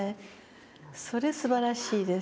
それすばらしいですね。